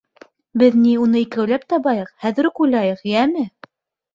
Беҙ, ни, уны икәүләп табайыҡ, хәҙер үк уйлайыҡ, йәме?